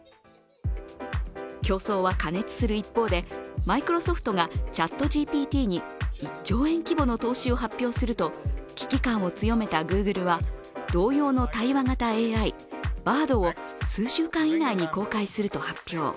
競争は過熱する一方で、マイクロソフトがＣｈａｔＧＰＴに１兆円規模の投資を発表すると危機感を強めたＧｏｏｇｌｅは同様の対話型ＡＩＢａｒｄを数週間以内に公開すると発表。